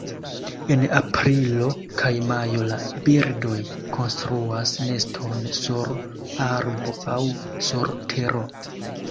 En aprilo kaj majo la birdoj konstruas neston sur arbo aŭ sur tero.